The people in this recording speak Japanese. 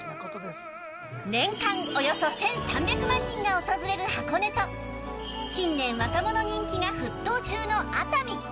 年間およそ１３００万人が訪れる箱根と近年若者人気が沸騰中の熱海。